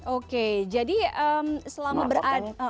oke jadi selama berada